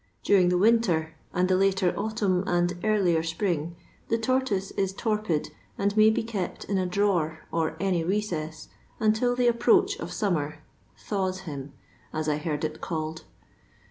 During the winter, and the later autumn and earlier spring, the tortoise is torpid, and may be kept in a drawer or any recess, until the approach of sum mer " thaws " him, as I heard it called.